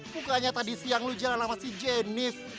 bukannya tadi siang lo jalan sama si jenis